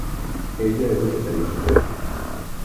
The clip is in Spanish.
Ella es vegetariana.